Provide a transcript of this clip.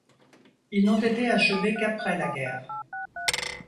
Ils n'ont été achevés qu'après la guerre.